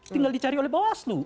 tinggal dicari oleh bawaslu